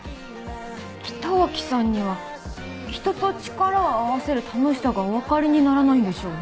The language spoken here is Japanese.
北脇さんには人と力を合わせる楽しさがお分かりにならないんでしょうね。